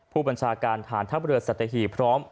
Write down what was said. ผู้บัญชาการฐานท่าเบลอสติฮีปพร้อม